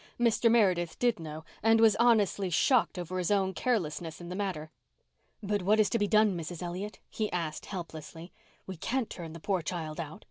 Mr. Meredith did know and was honestly shocked over his own carelessness in the matter. "But what is to be done, Mrs. Elliott?" he asked helplessly. "We can't turn the poor child out.